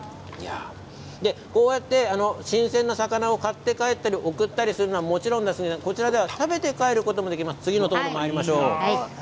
新鮮な魚を買って帰ったり送ったりするのももちろんですが食べて帰ることもできます。